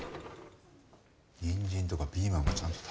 にんじんとかピーマンもちゃんと食べろよ。